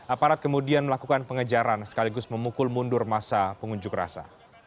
aparat kemudian melakukan pengejaran sekaligus memukul mundur masa pengunjuk rasa